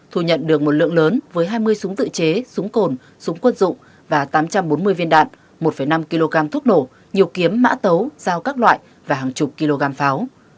thu nhận được một lượng lớn với hai mươi súng tự chế súng cồn súng quân dụng và tám trăm bốn mươi viên đạn một năm kg thuốc nổ nhiều kiếm mã tấu dao các loại và hàng chục kg pháo